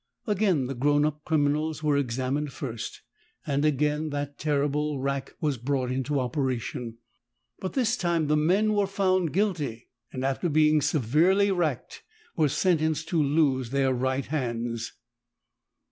Again the grown up criminals were examined first, and again that terrible rack was brought into operation. But this time the men were found guilty, and after being severely racked were sen tenced to lose their right hands.